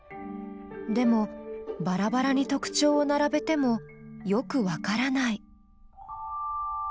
でもバラバラに特徴を並べてもよくわからない。